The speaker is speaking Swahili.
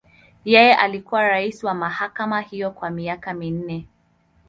Yeye alikuwa rais wa mahakama hiyo kwa miaka minne.